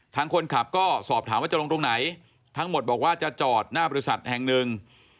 ทางคนขับก็สอบถามว่าจะลงตรงไหนทั้งหมดบอกว่าจะจอดหน้าบริษัทแห่งหนึ่ง